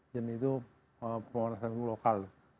dan itu penguasaan lokal